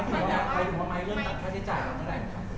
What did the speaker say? ไม่ถึงว่าไม้เริ่มต่อค่าใช้จ่ายครับ